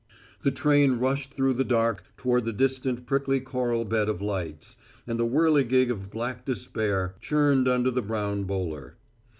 The train rushed through the dark toward the distant prickly coral bed of lights, and the whirligig of black despair churned under the brown bowler.